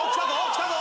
きたぞ！